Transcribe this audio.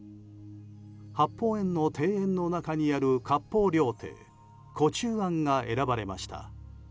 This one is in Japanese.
八芳園の庭園の中にある割烹料亭壺中庵が選ばれました。